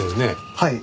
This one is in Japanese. はい。